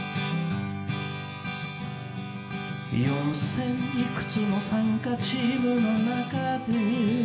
「４０００幾つの参加チームの中で」